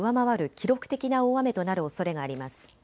記録的な大雨となるおそれがあります。